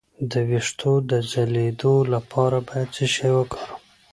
د ویښتو د ځلیدو لپاره باید څه شی وکاروم؟